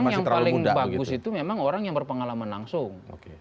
yang paling bagus itu memang orang yang berpengalaman langsung